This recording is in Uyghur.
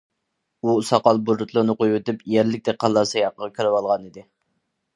ئۇ ساقال-بۇرۇتلىرىنى قويۇۋېتىپ يەرلىك دېھقانلار سىياقىغا كىرىۋالغانىدى.